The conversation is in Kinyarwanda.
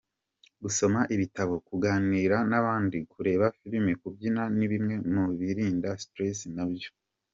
Gusoma ibitabo, kuganira n’abandi, kureba firimi, kubyina ni bimwe mu birinda stress nabyo.